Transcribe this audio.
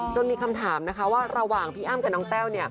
มีคำถามนะคะว่าระหว่างพี่อ้ำกับน้องแต้ว